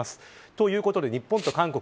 ということで日本と韓国